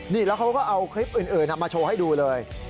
นี่แล้วเขาก็เอาคลิปอื่นมาโชว์ให้ดูเลย